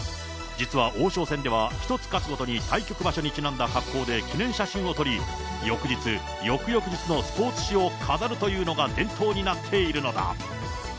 実は王将戦では、１つ勝つごとに対局場所にちなんだ格好で記念写真を撮り、翌日、翌々日のスポーツ紙を飾るというのが伝統になっているのだ。